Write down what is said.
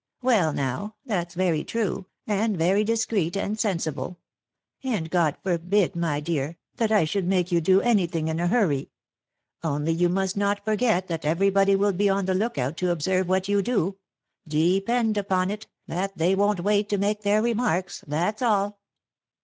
" Well now ! that's very true, and very discreet, and sensible ; and God forbid, my dear, that I should make you do any thing in a hurry. Only you must not forget that every body will be on the look out to observe what you do. Depend upon it, that they won't wait to make their remarks — that's all."